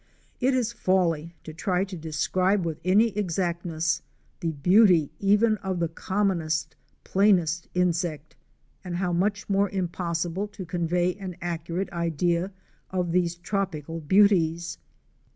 It is folly to try to describe with any exactness the beauty, even of the commonest, plainest insect, and how much more impossible to convey an accurate idea of these tropical beau ties.